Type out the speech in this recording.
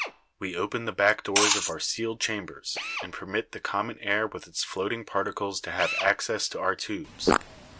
We open the back doors of our sealed chambers, and permit the common air with its floating particles to have access to our tubes.